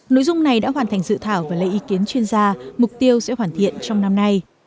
nội dung này đã hoàn thành dự thảo và lấy ý kiến chuyên gia mục tiêu sẽ hoàn thiện trong năm nay